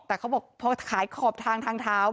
แต่เขาบอกพอขายขอบทางทางเท้า